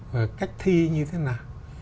và cách thi như thế nào